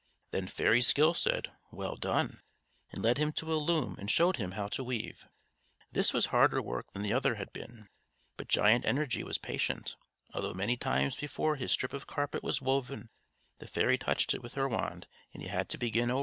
Then Fairy Skill said "Well done," and led him to a loom and showed him how to weave. This was harder work than the other had been; but Giant Energy was patient, although many times before his strip of carpet was woven the fairy touched it with her wand, and he had to begin over.